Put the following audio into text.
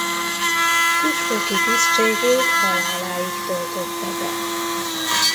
Püspöki tisztségét haláláig töltötte be.